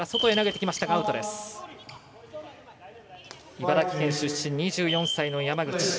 茨城県出身、２４歳の山口。